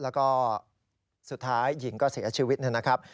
แล้วก็สุดท้ายหญิงก็เสียชีวิตนะครับ